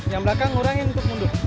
yang belakang ngurangin untuk mundur